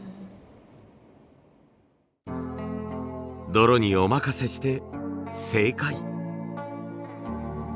泥にお任せして正解。